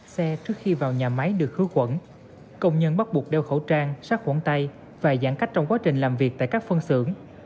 xe trước khi vào nhà máy được khử khuẩn công nhân bắt buộc đeo khẩu trang sát khuẩn tay và giãn cách trong quá trình làm việc tại các phân xưởng